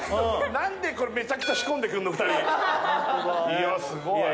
何でこれめちゃくちゃ仕込んでくんの２人いやすごい